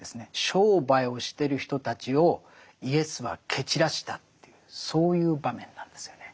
商売をしてる人たちをイエスは蹴散らしたというそういう場面なんですよね。